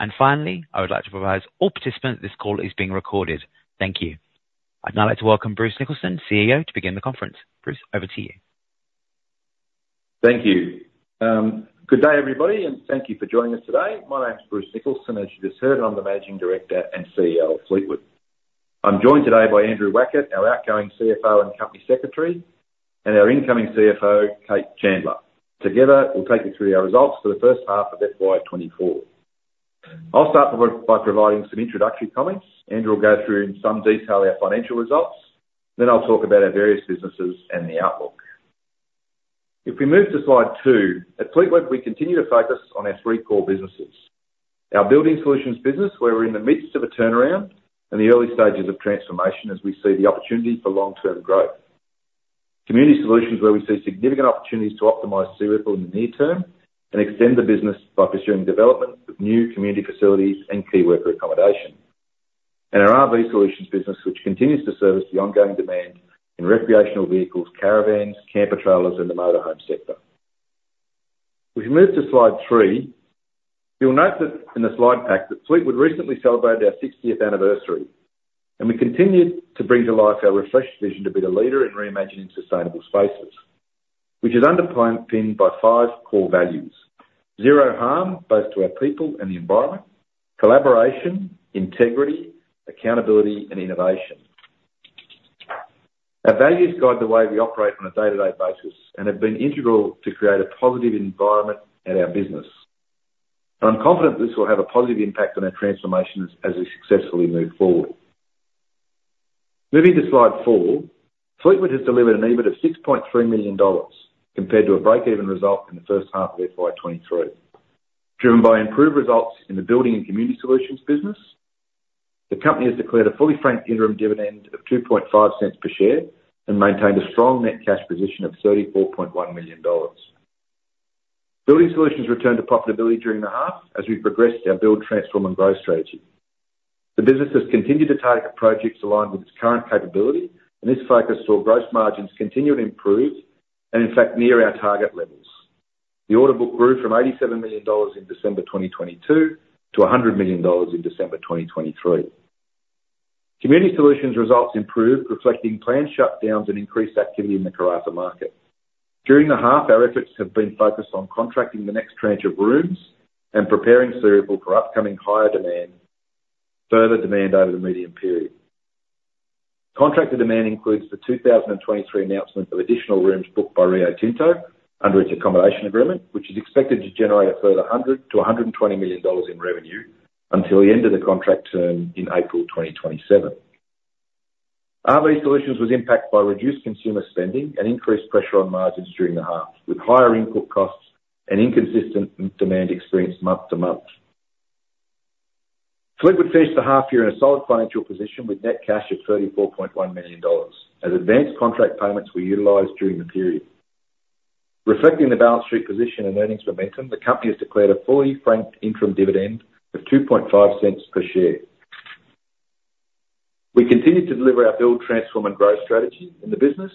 And finally, I would like to advise all participants this call is being recorded. Thank you. I'd now like to welcome Bruce Nicholson, CEO, to begin the conference. Bruce, over to you. Thank you. Good day, everybody, and thank you for joining us today. My name's Bruce Nicholson, as you just heard, and I'm the Managing Director and CEO of Fleetwood. I'm joined today by Andrew Wackett, our outgoing CFO and company secretary, and our incoming CFO, Cate Chandler. Together, we'll take you through our results for the first half of FY24. I'll start by providing some introductory comments, Andrew will go through in some detail our financial results, then I'll talk about our various businesses and the outlook. If we move to slide 2, at Fleetwood we continue to focus on our three core businesses: our building solutions business, where we're in the midst of a turnaround and the early stages of transformation as we see the opportunity for long-term growth, community solutions, where we see significant opportunities to optimize Searipple in the near term and extend the business by pursuing development of new community facilities and key worker accommodation, and our RV solutions business, which continues to service the ongoing demand in recreational vehicles, caravans, camper trailers, and the motorhome sector. If we move to slide 3, you'll note in the slide pack that Fleetwood recently celebrated our 60th anniversary, and we continued to bring to life our refreshed vision to be the leader in reimagining sustainable spaces, which is underpinned by 5 core values: zero harm, both to our people and the environment, collaboration, integrity, accountability, and innovation. Our values guide the way we operate on a day-to-day basis and have been integral to create a positive environment at our business, and I'm confident this will have a positive impact on our transformations as we successfully move forward. Moving to slide 4, Fleetwood has delivered an EBIT of 6.3 million dollars compared to a break-even result in the first half of FY23. Driven by improved results in the building and community solutions business, the company has declared a fully franked interim dividend of 2.5 cents per share and maintained a strong net cash position of 34.1 million dollars. Building solutions returned to profitability during the half as we progressed our build, transform, and growth strategy. The business has continued to target projects aligned with its current capability, and this focus saw gross margins continue to improve and, in fact, near our target levels. The order book grew from AUD 87 million in December 2022 to AUD 100 million in December 2023. Community solutions results improved, reflecting planned shutdowns and increased activity in the Karratha market. During the half, our efforts have been focused on contracting the next tranche of rooms and preparing Searipple for upcoming higher demand, further demand over the medium period. Contracted demand includes the 2023 announcement of additional rooms booked by Rio Tinto under its accommodation agreement, which is expected to generate a further 100 million-120 million dollars in revenue until the end of the contract term in April 2027. RV Solutions was impacted by reduced consumer spending and increased pressure on margins during the half, with higher input costs and inconsistent demand experience month to month. Fleetwood finished the half year in a solid financial position with net cash of AUD 34.1 million as advanced contract payments were utilized during the period. Reflecting the balance sheet position and earnings momentum, the company has declared a fully franked interim dividend of 0.025 per share. We continue to deliver our build, transform, and growth strategy in the business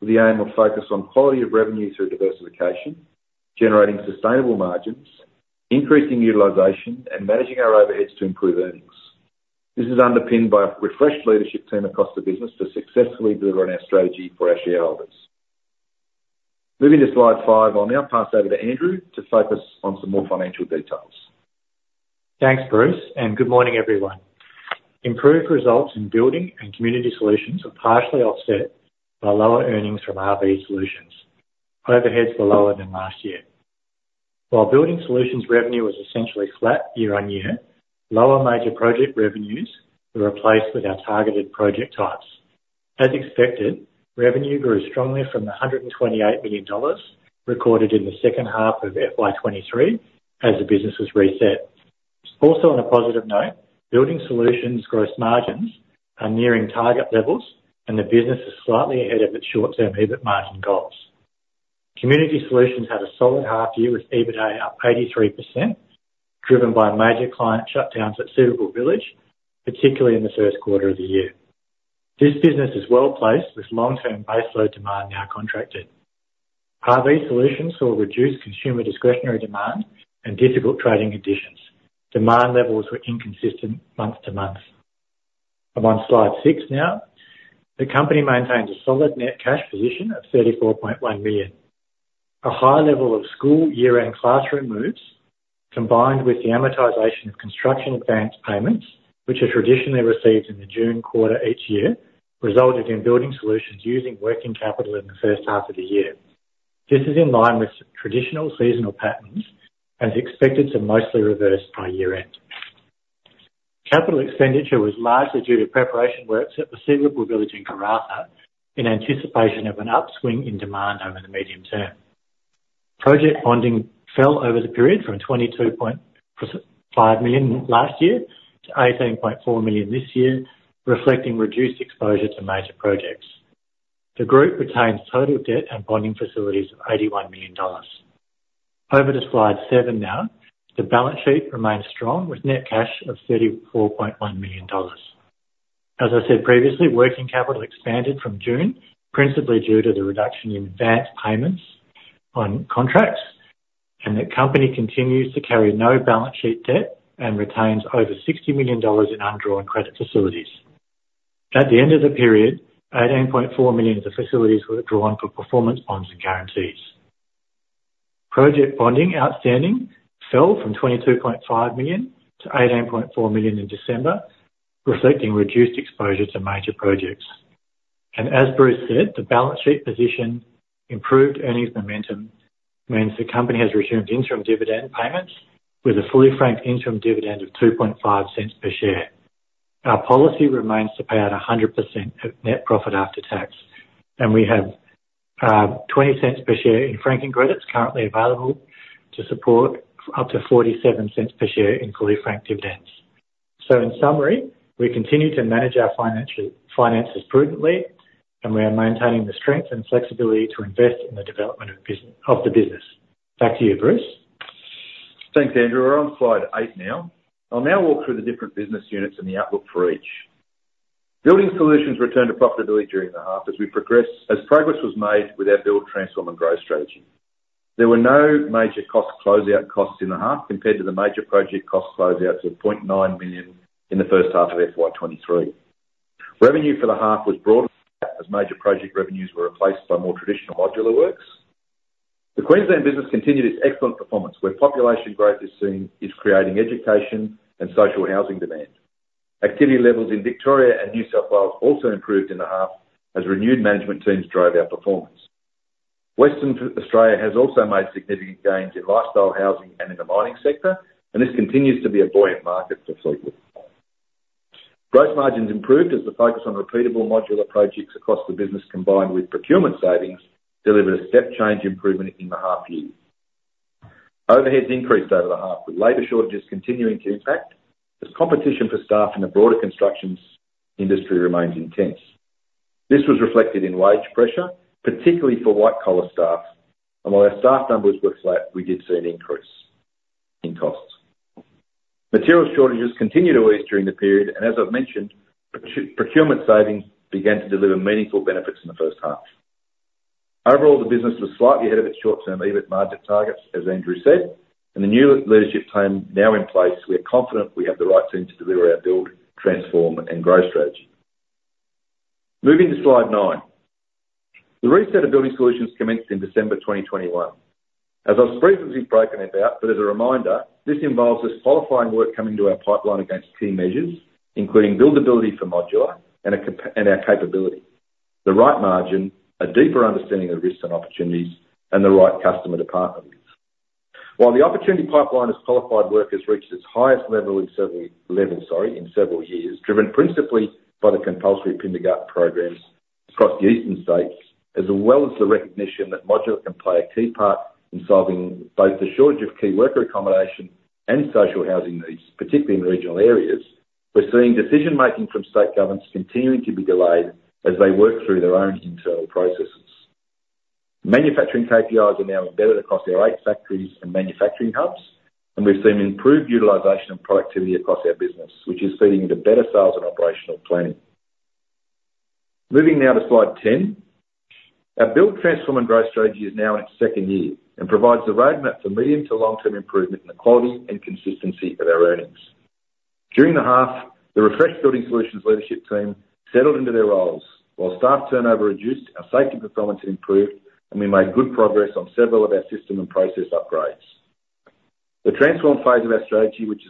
with the aim of focus on quality of revenue through diversification, generating sustainable margins, increasing utilization, and managing our overheads to improve earnings. This is underpinned by a refreshed leadership team across the business to successfully deliver on our strategy for our shareholders. Moving to slide 5, I'll now pass over to Andrew to focus on some more financial details. Thanks, Bruce, and good morning, everyone. Improved results in building and community solutions are partially offset by lower earnings from RV solutions. Overheads were lower than last year. While building solutions revenue was essentially flat year-on-year, lower major project revenues were replaced with our targeted project types. As expected, revenue grew strongly from the 128 million dollars recorded in the second half of FY23 as the business was reset. Also on a positive note, building solutions gross margins are nearing target levels, and the business is slightly ahead of its short-term EBIT margin goals. Community solutions had a solid half year with EBITDA up 83%, driven by major client shutdowns at Searipple Village, particularly in the Q1 of the year. This business is well placed with long-term baseload demand now contracted. RV solutions saw reduced consumer discretionary demand and difficult trading conditions. Demand levels were inconsistent month to month. I'm on slide 6 now. The company maintains a solid net cash position of 34.1 million. A high level of school year-end classroom moves, combined with the amortization of construction advance payments, which are traditionally received in the June quarter each year, resulted in Building Solutions using working capital in the first half of the year. This is in line with traditional seasonal patterns and is expected to mostly reverse by year-end. Capital expenditure was largely due to preparation works at the Searipple Village in Karratha in anticipation of an upswing in demand over the medium term. Project bonding fell over the period from 22.5 million last year to 18.4 million this year, reflecting reduced exposure to major projects. The group retains total debt and bonding facilities of AUD 81 million. Over to slide 7 now. The balance sheet remains strong with net cash of 34.1 million dollars. As I said previously, working capital expanded from June, principally due to the reduction in advance payments on contracts, and the company continues to carry no balance sheet debt and retains over 60 million dollars in undrawn credit facilities. At the end of the period, 18.4 million of the facilities were drawn for performance bonds and guarantees. Project bonding outstanding fell from 22.5 million-18.4 million in December, reflecting reduced exposure to major projects. As Bruce said, the balance sheet position. Improved earnings momentum means the company has resumed interim dividend payments with a fully franked interim dividend of 0.025 per share. Our policy remains to pay out 100% of net profit after tax, and we have 0.20 per share in franking credits currently available to support up to 0.47 per share in fully franked dividends. So in summary, we continue to manage our finances prudently, and we are maintaining the strength and flexibility to invest in the development of the business. Back to you, Bruce. Thanks, Andrew. We're on slide eight now. I'll now walk through the different business units and the outlook for each. Building Solutions returned to profitability during the half as progress was made with our build, transform, and growth strategy. There were no major cost closeout costs in the half compared to the major project cost closeouts of 0.9 million in the first half of FY23. Revenue for the half was broadened as major project revenues were replaced by more traditional modular works. The Queensland business continued its excellent performance, where population growth is creating education and social housing demand. Activity levels in Victoria and New South Wales also improved in the half as renewed management teams drove our performance. Western Australia has also made significant gains in lifestyle housing and in the mining sector, and this continues to be a buoyant market for Fleetwood. Gross margins improved as the focus on repeatable modular projects across the business, combined with procurement savings, delivered a step-change improvement in the half year. Overheads increased over the half, with labor shortages continuing to impact as competition for staff in the broader construction industry remains intense. This was reflected in wage pressure, particularly for white-collar staff. And while our staff numbers were flat, we did see an increase in costs. Materials shortages continued to ease during the period, and as I've mentioned, procurement savings began to deliver meaningful benefits in the first half. Overall, the business was slightly ahead of its short-term EBIT margin targets, as Andrew said, and the new leadership team now in place, we are confident we have the right team to deliver our build, transform, and growth strategy. Moving to slide 9. The reset of Building Solutions commenced in December 2021. As I've previously spoken about, but as a reminder, this involves us qualifying work coming to our pipeline against key measures, including buildability for modular and our capability, the right margin, a deeper understanding of risks and opportunities, and the right customer department. While the opportunity pipeline has qualified workers reached its highest level in several years, driven principally by the compulsory kindergarten programs across the eastern states, as well as the recognition that modular can play a key part in solving both the shortage of key worker accommodation and social housing needs, particularly in regional areas, we're seeing decision-making from state governments continuing to be delayed as they work through their own internal processes. Manufacturing KPIs are now embedded across our eight factories and manufacturing hubs, and we've seen improved utilization of productivity across our business, which is feeding into better sales and operational planning. Moving now to slide 10. Our build, transform, and growth strategy is now in its second year and provides the roadmap for medium to long-term improvement in the quality and consistency of our earnings. During the half, the refreshed building solutions leadership team settled into their roles. While staff turnover reduced, our safety performance had improved, and we made good progress on several of our system and process upgrades. The transform phase of our strategy, which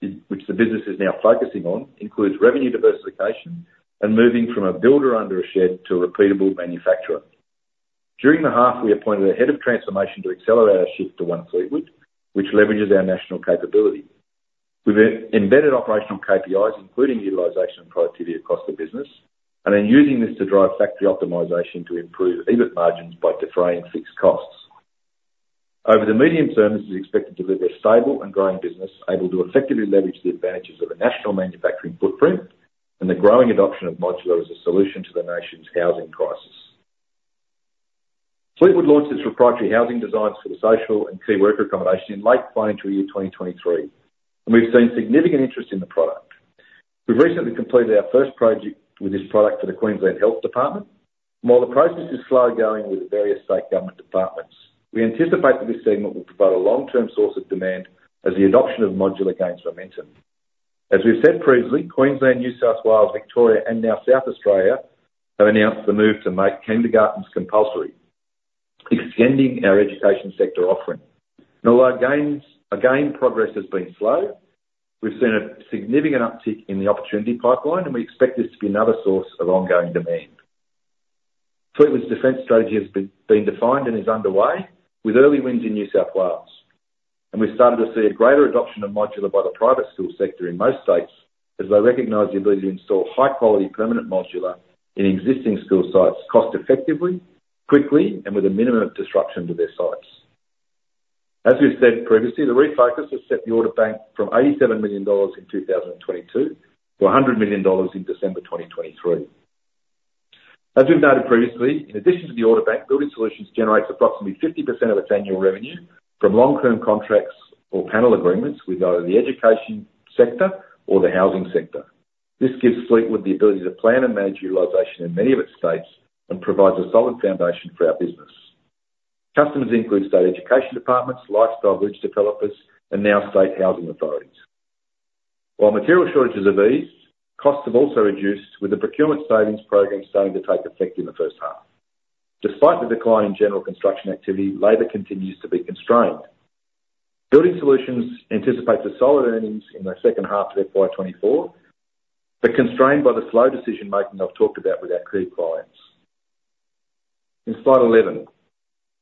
the business is now focusing on, includes revenue diversification and moving from a builder under a shed to a repeatable manufacturer. During the half, we appointed a head of transformation to accelerate our shift to One Fleetwood, which leverages our national capability. We've embedded operational KPIs, including utilization and productivity across the business, and then using this to drive factory optimization to improve EBIT margins by defraying fixed costs. Over the medium term, this is expected to deliver a stable and growing business able to effectively leverage the advantages of a national manufacturing footprint and the growing adoption of modular as a solution to the nation's housing crisis. Fleetwood launched its proprietary housing designs for the social and key worker accommodation in late financial year 2023, and we've seen significant interest in the product. We've recently completed our first project with this product for the Queensland Health Department. While the process is slow going with various state government departments, we anticipate that this segment will provide a long-term source of demand as the adoption of modular gains momentum. As we've said previously, Queensland, New South Wales, Victoria, and now South Australia have announced the move to make kindergartens compulsory, extending our education sector offering. Although gain progress has been slow, we've seen a significant uptick in the opportunity pipeline, and we expect this to be another source of ongoing demand. Fleetwood's defense strategy has been defined and is underway with early wins in New South Wales. We've started to see a greater adoption of modular by the private school sector in most states as they recognize the ability to install high-quality permanent modular in existing school sites cost-effectively, quickly, and with a minimum of disruption to their sites. As we've said previously, the refocus has set the order bank from 87 million dollars in 2022 to 100 million dollars in December 2023. As we've noted previously, in addition to the order bank, building solutions generates approximately 50% of its annual revenue from long-term contracts or panel agreements with either the education sector or the housing sector. This gives Fleetwood the ability to plan and manage utilization in many of its states and provides a solid foundation for our business. Customers include state education departments, lifestyle village developers, and now state housing authorities. While material shortages have eased, costs have also reduced with the procurement savings program starting to take effect in the first half. Despite the decline in general construction activity, labor continues to be constrained. Building Solutions anticipates a solid earnings in the second half of FY24, but constrained by the slow decision-making I've talked about with our key clients. In slide 11,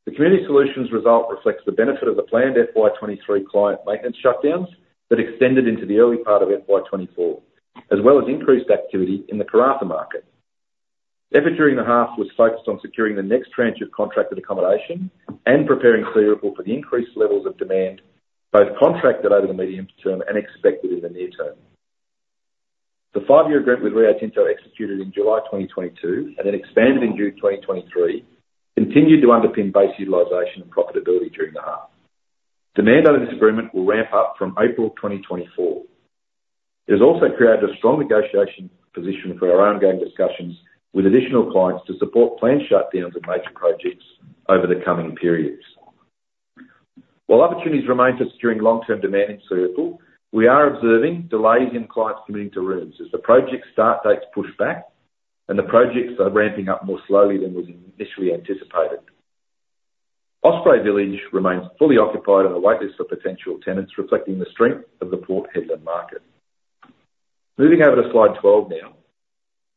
the Community Solutions result reflects the benefit of the planned FY23 client maintenance shutdowns that extended into the early part of FY24, as well as increased activity in the Karratha market. Effort during the half was focused on securing the next tranche of contracted accommodation and preparing Searipple Village for the increased levels of demand, both contracted over the medium term and expected in the near term. The five-year agreement with Rio Tinto executed in July 2022 and then expanded in June 2023 continued to underpin base utilisation and profitability during the half. Demand under this agreement will ramp up from April 2024. It has also created a strong negotiation position for our ongoing discussions with additional clients to support planned shutdowns of major projects over the coming periods. While opportunities remain for securing long-term demand in Searipple Village, we are observing delays in clients committing to rooms as the project start dates push back, and the projects are ramping up more slowly than was initially anticipated. Osprey Village remains fully occupied on the waitlist for potential tenants, reflecting the strength of the Port Hedland market. Moving over to slide 12 now.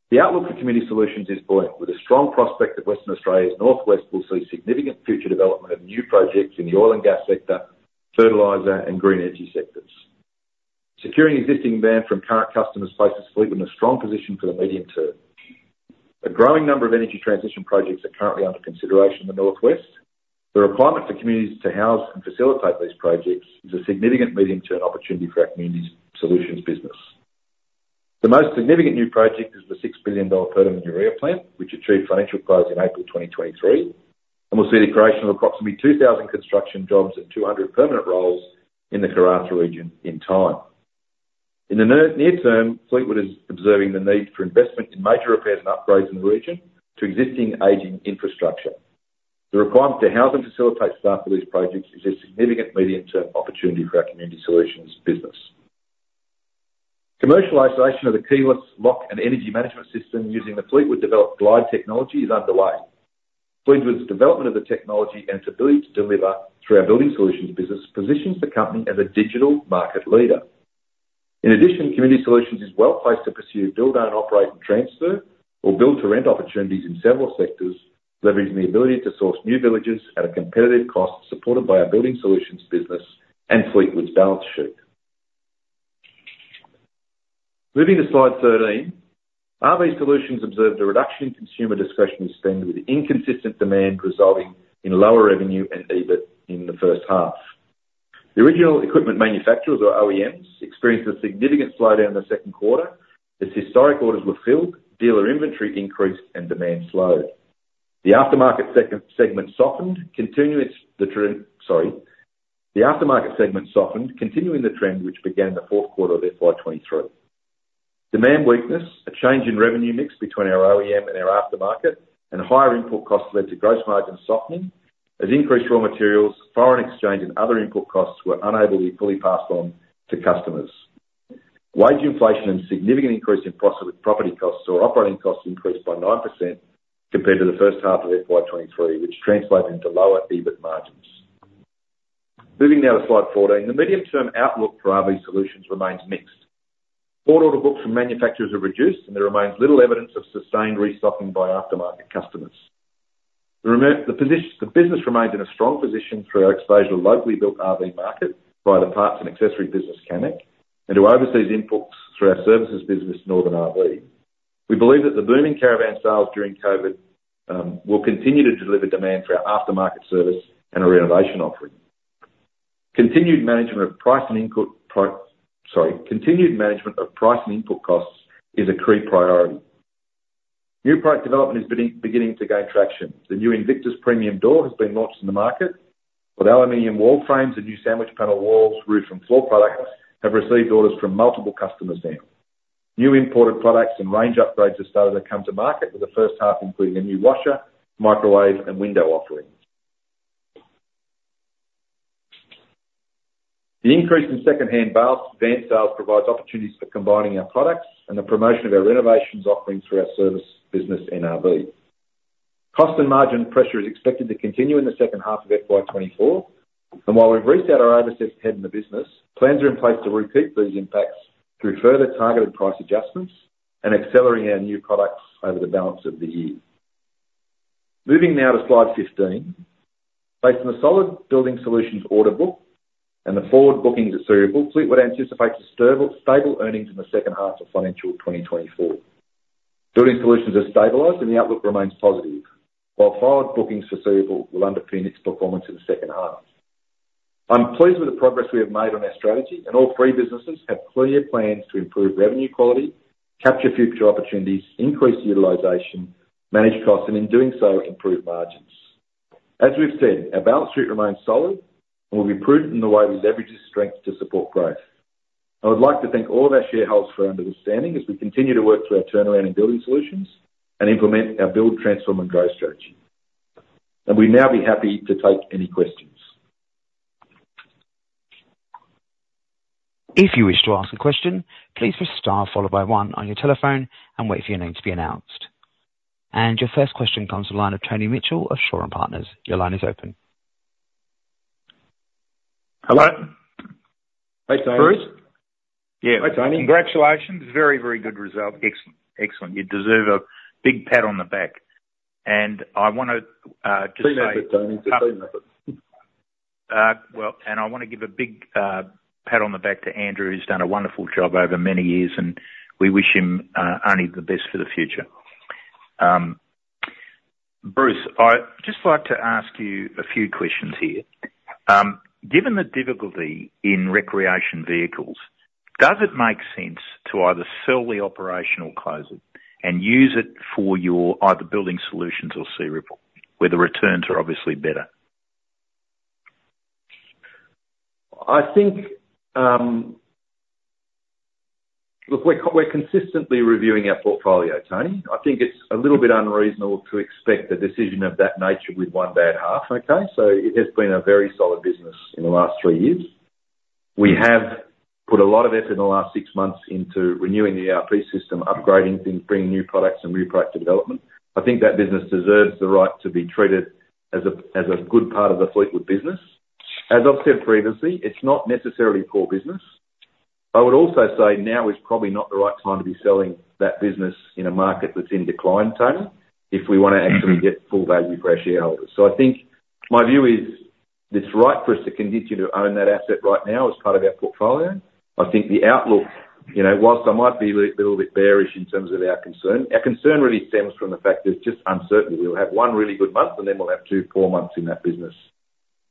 The outlook for community solutions is buoyant, with a strong prospect that Western Australia's northwest will see significant future development of new projects in the oil and gas sector, fertilizer, and green energy sectors. Securing existing demand from current customers places Fleetwood in a strong position for the medium term. A growing number of energy transition projects are currently under consideration in the northwest. The requirement for communities to house and facilitate these projects is a significant medium-term opportunity for our community solutions business. The most significant new project is the 6 billion dollar per annum urea plant, which achieved financial close in April 2023, and will see the creation of approximately 2,000 construction jobs and 200 permanent roles in the Karratha region in time. In the near term, Fleetwood is observing the need for investment in major repairs and upgrades in the region to existing aging infrastructure. The requirement to house and facilitate staff for these projects is a significant medium-term opportunity for our Community Solutions business. Commercialisation of the keyless lock and energy management system using the Fleetwood developed Glyde technology is underway. Fleetwood's development of the technology and its ability to deliver through our Building Solutions business positions the company as a digital market leader. In addition, Community Solutions is well placed to pursue build-own-operate-transfer, or build-to-rent opportunities in several sectors, leveraging the ability to source new villages at a competitive cost supported by our Building Solutions business and Fleetwood's balance sheet. Moving to slide 13. RV Solutions observed a reduction in consumer discretionary spend with inconsistent demand resulting in lower revenue and EBIT in the first half. The original equipment manufacturers, or OEMs, experienced a significant slowdown in the Q2 as historic orders were filled, dealer inventory increased, and demand slowed. The aftermarket segment softened, continuing the trend. Sorry. The aftermarket segment softened, continuing the trend which began the Q4 of FY23. Demand weakness, a change in revenue mix between our OEM and our aftermarket, and higher input costs led to gross margin softening as increased raw materials, foreign exchange, and other input costs were unable to be fully passed on to customers. Wage inflation and significant increase in property costs or operating costs increased by 9% compared to the first half of FY23, which translated into lower EBIT margins. Moving now to slide 14. The medium-term outlook for RV solutions remains mixed. Poor order books from manufacturers are reduced, and there remains little evidence of sustained restocking by aftermarket customers. The business remains in a strong position through our exposure to locally built RV market via the parts and accessory business Camec and to overseas inputs through our services business Northern RV. We believe that the booming caravan sales during COVID will continue to deliver demand for our aftermarket service and our renovation offering. Continued management of price and input costs is a key priority. New product development is beginning to gain traction. The new Infinita premium door has been launched in the market. With aluminum wall frames and new sandwich panel walls, roof, and floor products have received orders from multiple customers now. New imported products and range upgrades have started to come to market with the first half including a new washer, microwave, and window offering. The increase in second-hand van sales provides opportunities for combining our products and the promotion of our renovations offerings through our service business NRV. Cost and margin pressure is expected to continue in the second half of FY24. While we've reached out our overseas head in the business, plans are in place to repeat these impacts through further targeted price adjustments and accelerating our new products over the balance of the year. Moving now to slide 15. Based on the solid Building Solutions order book and the forward bookings at Searipple Village, Fleetwood anticipates stable earnings in the second half of financial 2024. Building Solutions are stabilized, and the outlook remains positive, while forward bookings for Searipple Village will underpin its performance in the second half. I'm pleased with the progress we have made on our strategy, and all three businesses have clear plans to improve revenue quality, capture future opportunities, increase utilization, manage costs, and in doing so, improve margins. As we've said, our balance sheet remains solid and will be prudent in the way we leverage this strength to support growth. I would like to thank all of our shareholders for understanding as we continue to work through our turnaround in Building Solutions and implement our build, transform, and growth strategy. We'd now be happy to take any questions. If you wish to ask a question, please press star followed by one on your telephone and wait for your name to be announced. Your first question comes to line of Tony Mitchell of Shaw & Partners. Your line is open. Hello. Hey, Tony. Bruce? Yeah. Hey, Tony. Congratulations. Very, very good result. Excellent. Excellent. You deserve a big pat on the back. I want to just say. Clean up it, Tony. Just clean up it. Well, I want to give a big pat on the back to Andrew, who's done a wonderful job over many years, and we wish him only the best for the future. Bruce, I'd just like to ask you a few questions here. Given the difficulty in recreational vehicles, does it make sense to either sell the RV Solutions and use it for your either Building Solutions or Searipple, where the returns are obviously better? Look, we're consistently reviewing our portfolio, Tony. I think it's a little bit unreasonable to expect a decision of that nature with one bad half, okay? So it has been a very solid business in the last three years. We have put a lot of effort in the last six months into renewing the ERP system, upgrading things, bringing new products, and product development. I think that business deserves the right to be treated as a good part of the Fleetwood business. As I've said previously, it's not necessarily poor business. I would also say now is probably not the right time to be selling that business in a market that's in decline, Tony, if we want to actually get full value for our shareholders. So I think my view is it's right for us to continue to own that asset right now as part of our portfolio. I think the outlook, whilst I might be a little bit bearish in terms of our concern really stems from the fact there's just uncertainty. We'll have one really good month, and then we'll have two poor months in that business.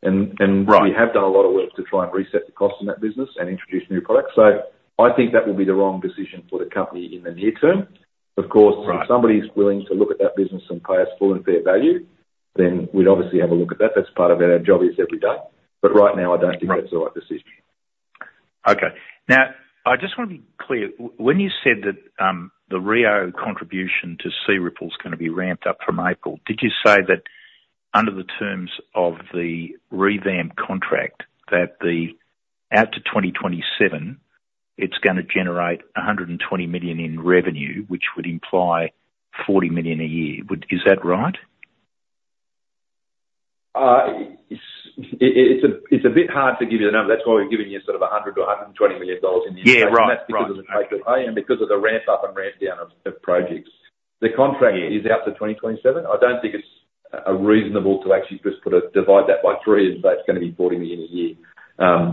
And we have done a lot of work to try and reset the cost in that business and introduce new products. So I think that will be the wrong decision for the company in the near term. Of course, if somebody's willing to look at that business and pay us full and fair value, then we'd obviously have a look at that. That's part of our job every day. But right now, I don't think that's the right decision. Okay. Now, I just want to be clear. When you said that the Rio contribution to Searipple's going to be ramped up from April, did you say that under the terms of the take-or-pay contract, that out to 2027, it's going to generate 120 million in revenue, which would imply 40 million a year? Is that right? It's a bit hard to give you the number. That's why we've given you sort of 100 million-120 million dollars in the investment. And that's because of the fact that and because of the ramp up and ramp down of projects. The contract is out to 2027. I don't think it's reasonable to actually just divide that by three and say it's going to be 40 million a year.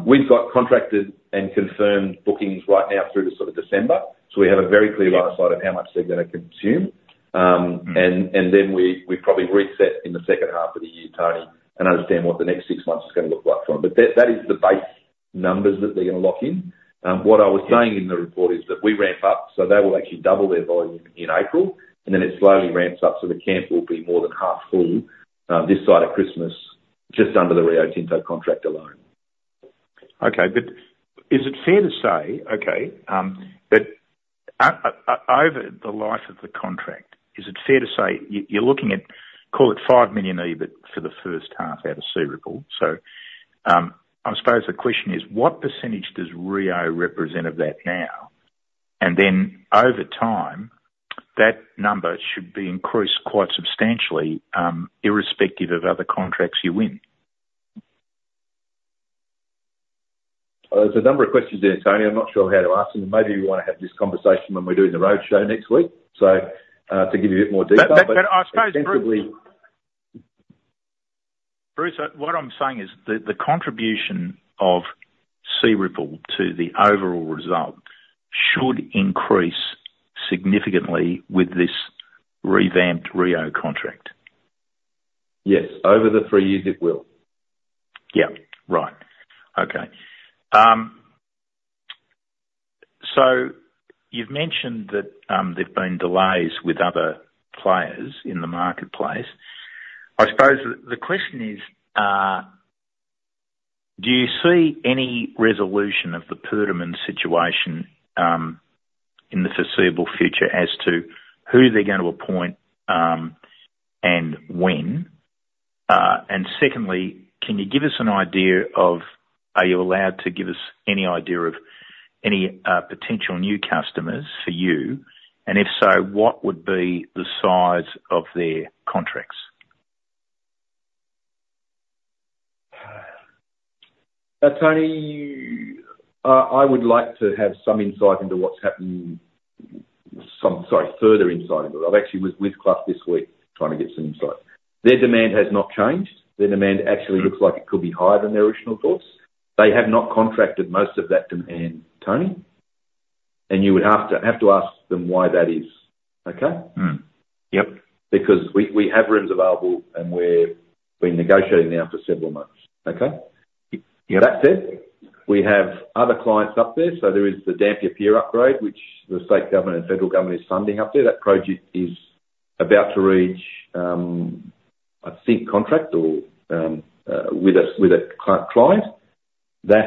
We've got contracted and confirmed bookings right now through to sort of December. So we have a very clear lifecycle of how much they're going to consume. And then we probably reset in the second half of the year, Tony, and understand what the next six months is going to look like for them. But that is the base numbers that they're going to lock in. What I was saying in the report is that we ramp up, so they will actually double their volume in April, and then it slowly ramps up so the camp will be more than half full this side of Christmas just under the Rio Tinto contract alone. Okay. But is it fair to say, okay, that over the life of the contract, is it fair to say you're looking at, call it, 5 million EBIT for the first half out of Searipple? So I suppose the question is, what percentage does Rio represent of that now? And then over time, that number should be increased quite substantially irrespective of other contracts you win. There's a number of questions there, Tony. I'm not sure how to ask them. Maybe we want to have this conversation when we're doing the roadshow next week to give you a bit more detail. But I suppose, Bruce, what I'm saying is the contribution of Searipple to the overall result should increase significantly with this revamped Rio contract. Yes. Over the three years, it will. Yeah. Right. Okay. So you've mentioned that there've been delays with other players in the marketplace. I suppose the question is, do you see any resolution of the Perdaman situation in the foreseeable future as to who they're going to appoint and when? And secondly, can you give us an idea of are you allowed to give us any idea of any potential new customers for you? And if so, what would be the size of their contracts? Now, Tony, I would like to have some insight into what's happened, sorry, further insight into it. I've actually was with CloughAnd then,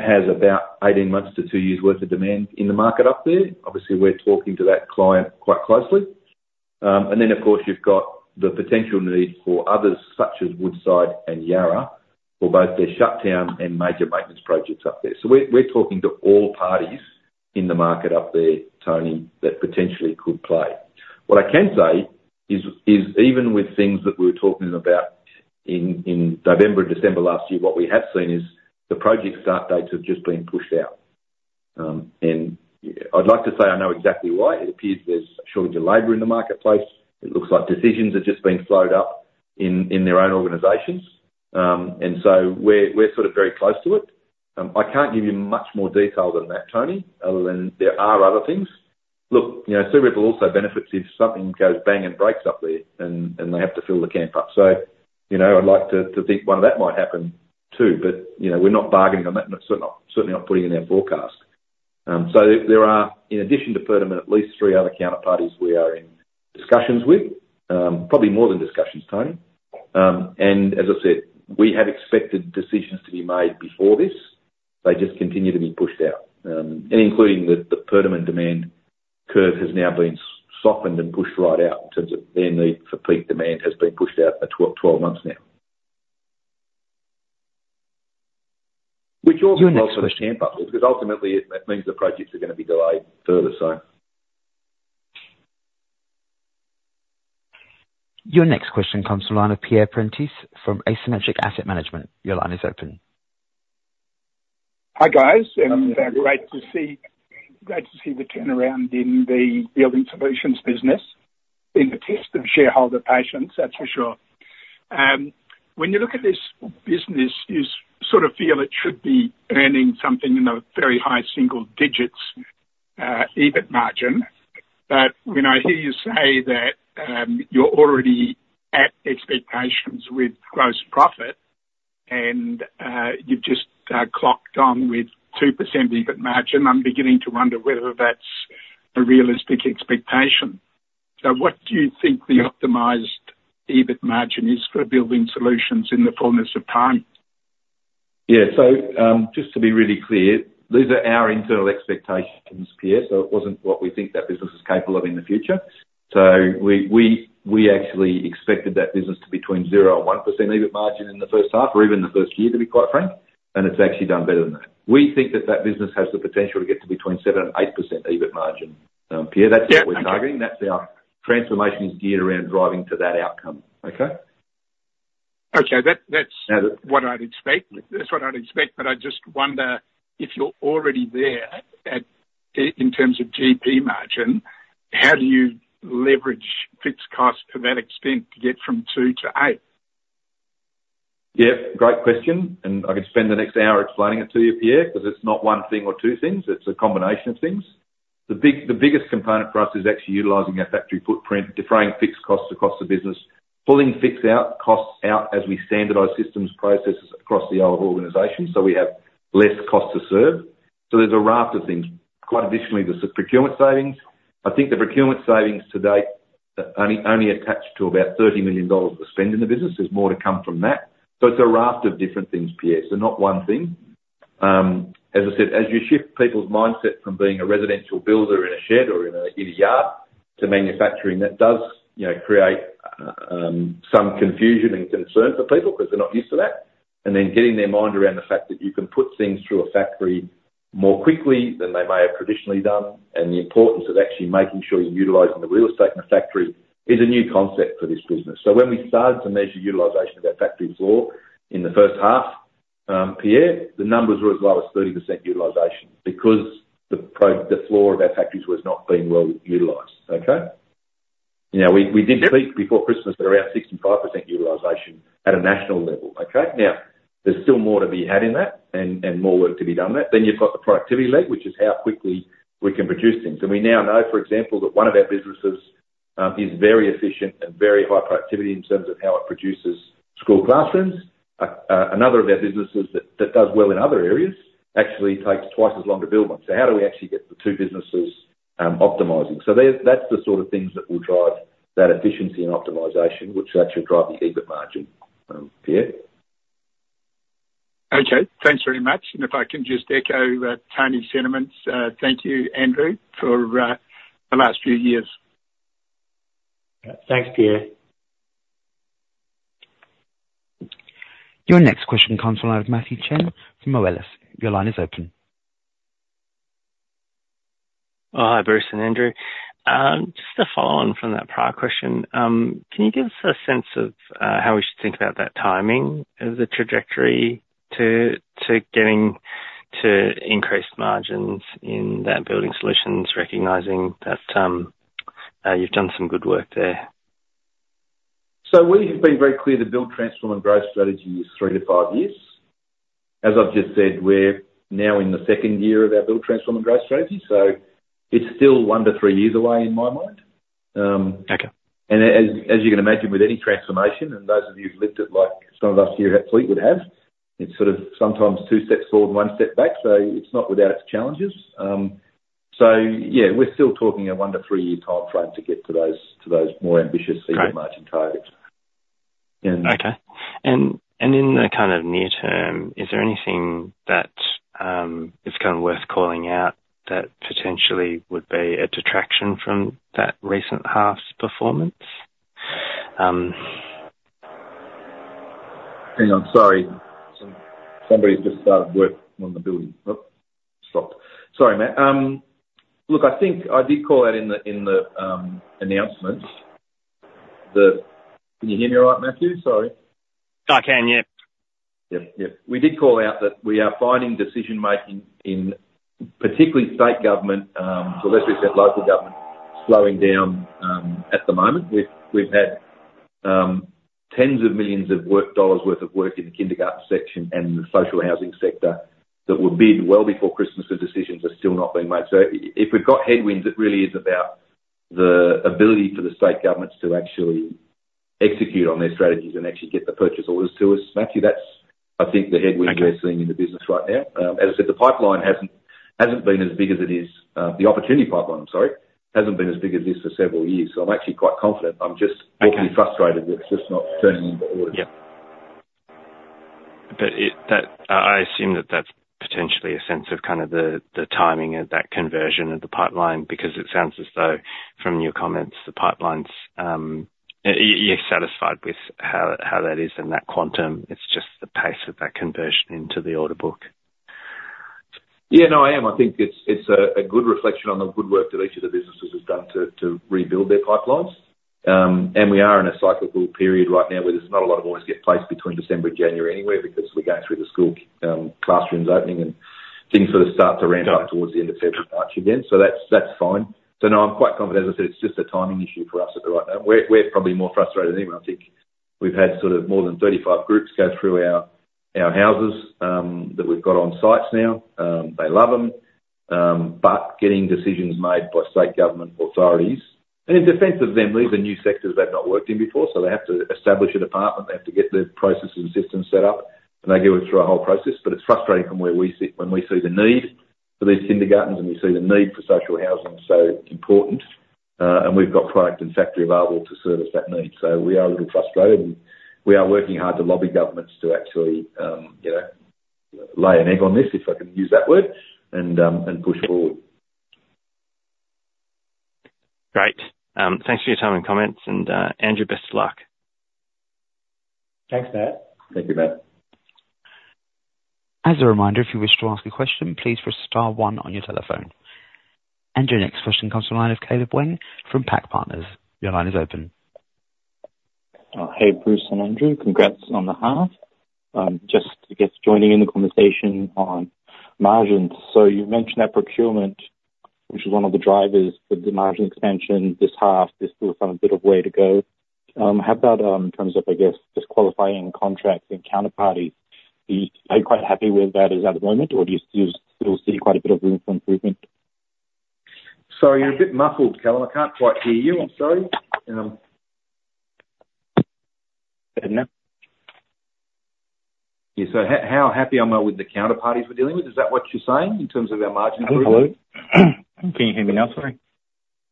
of course, you've got the potential need for others such as Woodside and Yara for both their shutdown and major maintenance projects up there. So we're talking to all parties in the market up there, Tony, that potentially could play. What I can say is even with things that we were talking about in November and December last year, what we have seen is the project start dates have just been pushed out. And I'd like to say I know exactly why. It appears there's a shortage of labor in the marketplace. It looks like decisions have just been slowed up in their own organizations. And so we're sort of very close to it. I can't give you much more detail than that, Tony, other than there are other things. Look, Searipple also benefits if something goes bang and breaks up there, and they have to fill the camp up. So I'd like to think one of that might happen too. But we're not bargaining on that and certainly not putting it in our forecast. So in addition to Perdaman, at least three other counterparties we are in discussions with, probably more than discussions, Tony. And as I said, we have expected decisions to be made before this. They just continue to be pushed out, including that the Perdaman demand curve has now been softened and pushed right out in terms of their need for peak demand has been pushed out for 12 months now, which also affects the camp up there because ultimately, it means the projects are going to be delayed further, so. Your next question comes from the line of Pierre Prentice from Asymmetric Asset Management. Your line is open. Hi, guys. Great to see the turnaround in the Building Solutions business, in the test of shareholder patience, that's for sure. When you look at this business, you sort of feel it should be earning something in the very high single digits EBIT margin. But when I hear you say that you're already at expectations with gross profit and you've just clocked on with 2% EBIT margin, I'm beginning to wonder whether that's a realistic expectation. What do you think the optimized EBIT margin is for Building Solutions in the fullness of time? Yeah. So just to be really clear, these are our internal expectations, Pierre. So it wasn't what we think that business is capable of in the future. So we actually expected that business to be between 0%-1% EBIT margin in the first half or even the first year, to be quite frank. And it's actually done better than that. We think that that business has the potential to get to between 7%-8% EBIT margin, Pierre. That's what we're targeting. Transformation is geared around driving to that outcome, okay? Okay. That's what I'd expect. That's what I'd expect. But I just wonder if you're already there in terms of GP margin, how do you leverage fixed costs to that extent to get from 2%-8%? Yeah. Great question. And I could spend the next hour explaining it to you, Pierre, because it's not one thing or two things. It's a combination of things. The biggest component for us is actually utilizing our factory footprint, deferring fixed costs across the business, pulling fixed costs out as we standardize systems, processes across the whole organization so we have less cost to serve. So there's a raft of things. Quite additionally, there's procurement savings. I think the procurement savings to date only attach to about 30 million dollars of the spend in the business. There's more to come from that. So it's a raft of different things, Pierre. So not one thing. As I said, as you shift people's mindset from being a residential builder in a shed or in a yard to manufacturing, that does create some confusion and concern for people because they're not used to that. Then getting their mind around the fact that you can put things through a factory more quickly than they may have traditionally done and the importance of actually making sure you're utilizing the real estate in the factory is a new concept for this business. So when we started to measure utilization of our factory floor in the first half, Pierre, the numbers were as low as 30% utilization because the floor of our factories was not being well utilized, okay? We did peak before Christmas, but around 65% utilization at a national level, okay? Now, there's still more to be had in that and more work to be done there. Then you've got the productivity leg, which is how quickly we can produce things. We now know, for example, that one of our businesses is very efficient and very high productivity in terms of how it produces school classrooms. Another of our businesses that does well in other areas actually takes twice as long to build one. So how do we actually get the two businesses optimizing? So that's the sort of things that will drive that efficiency and optimization, which actually will drive the EBIT margin, Pierre. Okay. Thanks very much. And if I can just echo Tony's sentiments, thank you, Andrew, for the last few years. Thanks, Pierre. Your next question comes from the line of Matthew Chen from Moelis. Your line is open. Hi, Bruce and Andrew. Just to follow on from that prior question, can you give us a sense of how we should think about that timing of the trajectory to increased margins in that Building Solutions, recognising that you've done some good work there? So we have been very clear the build, transform, and grow strategy is 3-5 years. As I've just said, we're now in the second year of our build, transform, and grow strategy. So it's still 1-3 years away in my mind. And as you can imagine, with any transformation and those of you who've lived it like some of us here at Fleetwood have, it's sort of sometimes two steps forward and one step back. So it's not without its challenges. So yeah, we're still talking a 1-3-year timeframe to get to those more ambitious EBIT margin targets. Okay. And in the kind of near term, is there anything that is kind of worth calling out that potentially would be a detraction from that recent half's performance? Hang on. Sorry. Somebody's just started work on the building. Oops. Stopped. Sorry, mate. Look, I think I did call out in the announcement that, can you hear me right, Matthew? Sorry. I can. Yep. Yep, yep. We did call out that we are finding decision-making in particularly state government, to a lesser extent, local government slowing down at the moment. We've had tens of millions of AUD worth of work in the kindergarten section and the social housing sector that were bid well before Christmas, and decisions are still not being made. So if we've got headwinds, it really is about the ability for the state governments to actually execute on their strategies and actually get the purchase orders to us. Matthew, that's, I think, the headwind we're seeing in the business right now. As I said, the pipeline hasn't been as big as it is the opportunity pipeline, I'm sorry, hasn't been as big as this for several years. So I'm actually quite confident. I'm just awfully frustrated that it's just not turning into orders. Yeah. But I assume that that's potentially a sense of kind of the timing of that conversion of the pipeline because it sounds as though, from your comments, the pipelines you're satisfied with how that is in that quantum. It's just the pace of that conversion into the order book. Yeah. No, I am. I think it's a good reflection on the good work that each of the businesses has done to rebuild their pipelines. We are in a cyclical period right now where there's not a lot of orders get placed between December and January anyway because we're going through the school classrooms opening and things sort of start to ramp up towards the end of February, March again. So that's fine. So no, I'm quite confident. As I said, it's just a timing issue for us at the right moment. We're probably more frustrated than anyone. I think we've had sort of more than 35 groups go through our houses that we've got on sites now. They love them. But getting decisions made by state government authorities and in defense of them, these are new sectors they've not worked in before. They have to establish a department. They have to get their processes and systems set up. They go through a whole process. But it's frustrating from where we sit when we see the need for these kindergartens and we see the need for social housing so important. We've got product and factory available to service that need. We are a little frustrated. We are working hard to lobby governments to actually lay an egg on this, if I can use that word, and push forward. Great. Thanks for your time and comments. Andrew, best of luck. Thanks, Matt. Thank you, Matt. As a reminder, if you wish to ask a question, please press star one on your telephone. Your next question comes to line of Caleb Weng from PAC Partners. Your line is open. Hey, Bruce and Andrew. Congrats on the half. Just, I guess, joining in the conversation on margins. So you mentioned that procurement, which is one of the drivers for the margin expansion this half. There's still some bit of way to go. How about in terms of, I guess, disqualifying contracts and counterparties? Are you quite happy where that is at the moment, or do you still see quite a bit of room for improvement? Sorry, you're a bit muffled, Caleb. I can't quite hear you. I'm sorry. Heard now. Yeah. So how happy am I with the counterparties we're dealing with? Is that what you're saying in terms of our margin improvement? Absolutely. Can you hear me now, sorry?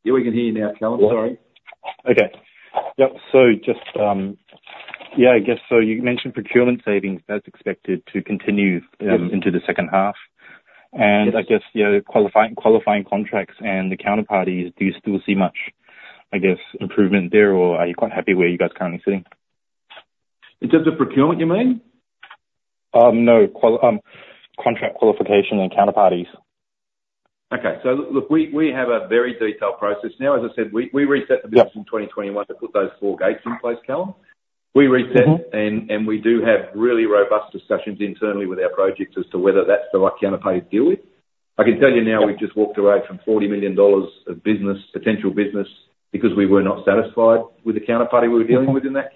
Yeah, we can hear you now, Caleb. Sorry. Okay. Yep. Yeah, I guess so you mentioned procurement savings. That's expected to continue into the second half. I guess qualifying contracts and the counterparties, do you still see much, I guess, improvement there, or are you quite happy where you guys are currently sitting? In terms of procurement, you mean? No. Contract qualification and counterparties. Okay. So look, we have a very detailed process now. As I said, we reset the business in 2021 to put those four gates in place, Caleb. We reset. And we do have really robust discussions internally with our projects as to whether that's the right counterparty to deal with. I can tell you now we've just walked away from 40 million dollars of potential business because we were not satisfied with the counterparty we were dealing with in that,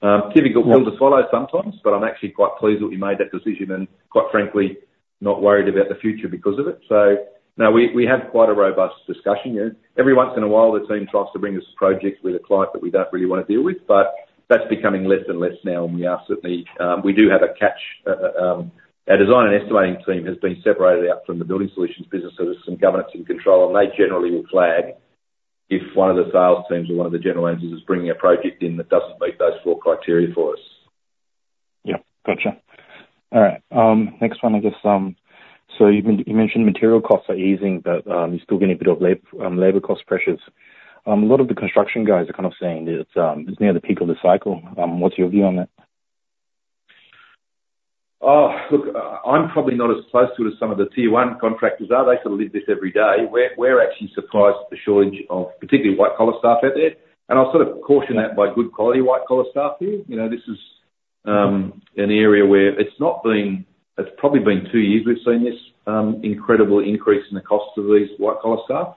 Caleb. Typical pill to swallow sometimes, but I'm actually quite pleased that we made that decision and, quite frankly, not worried about the future because of it. So no, we have quite a robust discussion. Every once in a while, the team tries to bring us projects with a client that we don't really want to deal with. But that's becoming less and less now. We are certainly we do have a catch. Our design and estimating team has been separated out from the Building Solutions business. So there's some governance and control. And they generally will flag if one of the sales teams or one of the general managers is bringing a project in that doesn't meet those four criteria for us. Yep. Gotcha. All right. Next one, I guess. So you mentioned material costs are easing, but you're still getting a bit of labor cost pressures. A lot of the construction guys are kind of saying that it's near the peak of the cycle. What's your view on that? Look, I'm probably not as close to it as some of the Tier 1 contractors are. They sort of live this every day. We're actually surprised at the shortage of particularly white-collar staff out there. And I'll sort of caution that by good-quality white-collar staff here. This is an area where it's probably been two years we've seen this incredible increase in the cost of these white-collar staff.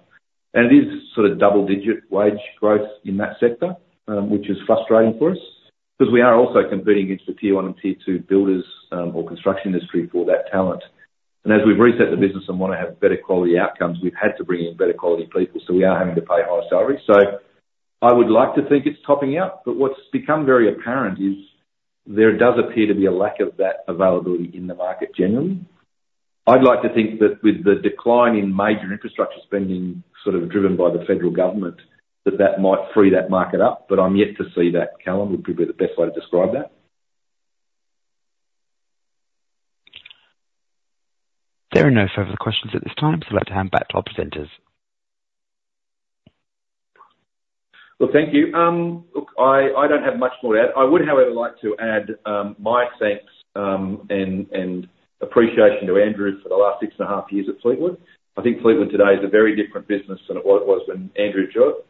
And it is sort of double-digit wage growth in that sector, which is frustrating for us because we are also competing against the Tier 1 and Tier 2 builders or construction industry for that talent. And as we've reset the business and want to have better-quality outcomes, we've had to bring in better-quality people. So we are having to pay higher salaries. So I would like to think it's topping out. But what's become very apparent is there does appear to be a lack of that availability in the market generally. I'd like to think that with the decline in major infrastructure spending sort of driven by the federal government, that that might free that market up. But I'm yet to see that, Caleb. Would probably be the best way to describe that. There are no further questions at this time. So I'd like to hand back to our presenters. Look, thank you. Look, I don't have much more to add. I would, however, like to add my thanks and appreciation to Andrew for the last 6.5 years at Fleetwood. I think Fleetwood today is a very different business than it was when Andrew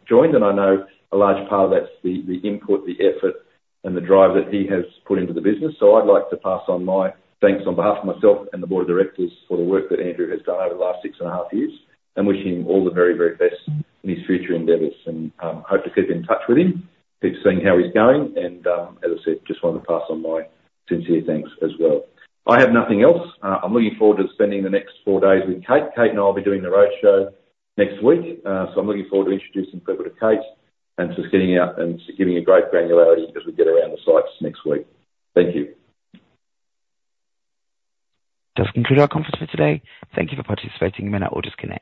joined. I know a large part of that's the input, the effort, and the drive that he has put into the business. I'd like to pass on my thanks on behalf of myself and the board of directors for the work that Andrew has done over the last 6.5 years and wish him all the very, very best in his future endeavors. Hope to keep in touch with him, keep seeing how he's going. As I said, just wanted to pass on my sincere thanks as well. I have nothing else. I'm looking forward to spending the next four days with Cate. Cate and I will be doing the roadshow next week. I'm looking forward to introducing Fleetwood to Cate and just getting out and giving her great granularity as we get around the sites next week. Thank you. does conclude our conference for today. Thank you for participating. I'm going to order scanning.